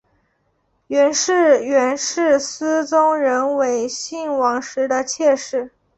袁氏原是思宗仍为信王时的妾室。